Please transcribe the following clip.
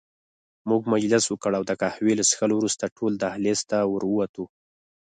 موږ مجلس وکړ او د قهوې له څښلو وروسته ټول دهلېز ته ور ووتو.